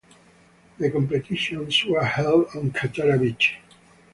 The competitions were held on Katara Beach.